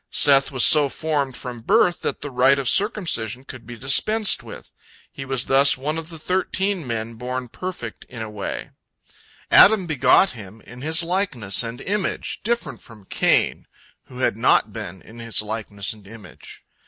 Seth was so formed from birth that the rite of circumcision could be dispensed with. He was thus one of the thirteen men born perfect in a way. Adam begot him in his likeness and image, different from Cain, who had not been in his likeness and image.